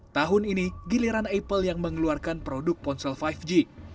tahun ini giliran apple yang mengeluarkan produk ponsel lima g